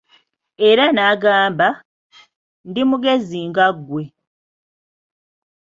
Era n'agamba, ndi mugezi nga ggwe.